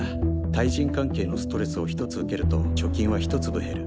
対人関係のストレスを１つ受けると貯金は１粒減る。